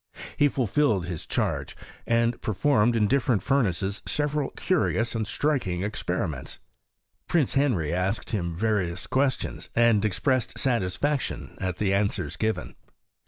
He fulfilled his charge, and pa:formed in different furnaces several curious and striking experiments. Prince Henry asked him various questions, and expressed satisfaction at the answers given.